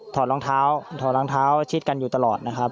อดรองเท้าถอดรองเท้าชิดกันอยู่ตลอดนะครับ